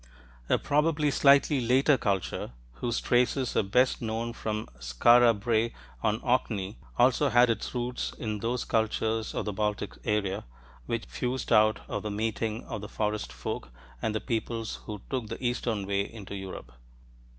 A probably slightly later culture, whose traces are best known from Skara Brae on Orkney, also had its roots in those cultures of the Baltic area which fused out of the meeting of the "Forest folk" and the peoples who took the eastern way into Europe.